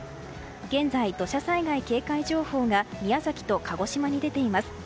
現在、土砂災害警戒情報が宮崎と鹿児島に出ています。